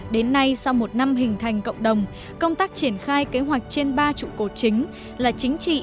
đến nay sau một năm hình thành cộng đồng công tác triển khai kế hoạch trên ba trụ cột chính là chính trị